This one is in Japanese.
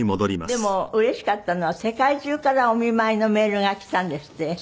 でもうれしかったのは世界中からお見舞いのメールが来たんですって？